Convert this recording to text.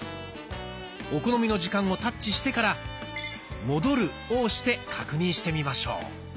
お好みの時間をタッチしてから「戻る」を押して確認してみましょう。